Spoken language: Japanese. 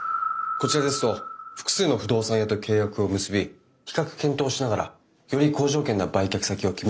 こちらですと複数の不動産屋と契約を結び比較検討しながらより好条件な売却先を決めることができるので。